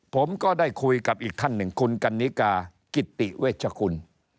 ผมก็ได้คุยกับอีกท่านหนึ่งคุณกันนิกากิตติเวชกุล